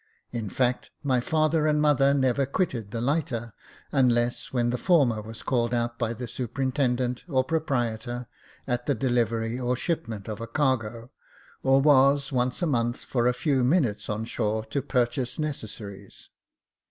In fact, my father and mother never quitted the lighter, unless when the former was called out by the superintendent or proprietor, at the delivery or shipment of a cargo, or was once a month for a few minutes on shore to purchase necessaries.